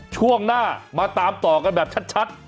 ช่วงหน้ามาตามต่อกันแบบชัด